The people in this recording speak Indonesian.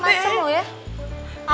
masam lu ya